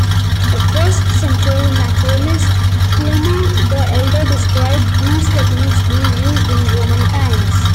The first-century naturalist Pliny the Elder described these techniques being used in Roman times.